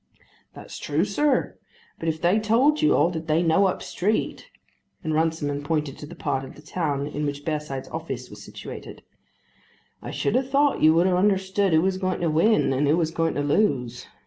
"That's true, sir; but if they told you all that they know up street," and Runciman pointed to the part of the town in which Bearside's office was situated, "I should have thought you would have understood who was going to win and who was going to lose.